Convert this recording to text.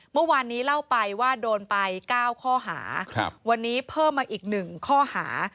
เมื่อวานนี้เล่าไปว่าโดนไป๙ข้อหาวันนี้เพิ่มมาอีก๑ข้อหา